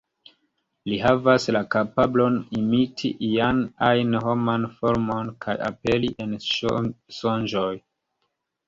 Li havas la kapablon imiti ian-ajn homan formon kaj aperi en sonĝoj.